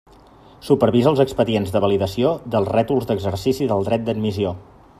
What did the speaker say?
Supervisa els expedients de validació dels rètols d'exercici del dret d'admissió.